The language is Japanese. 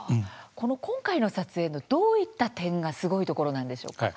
今回の撮影のどういった点がすごいところなんでしょうか？